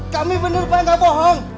kami bener pak gak bohong